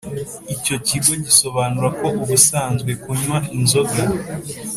Icyo kigo gisobanura ko ubusanzwe kunywa inzoga